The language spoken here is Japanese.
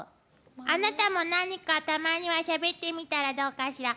あなたも何かたまにはしゃべってみたらどうかしら。